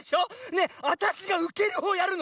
ねえわたしがうけるほうやるの？